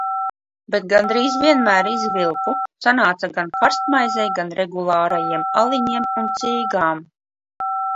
Bet gandrīz vienmēr izvilku, sanāca gan karstmaizei, gan regulārajiem aliņiem un cīgām.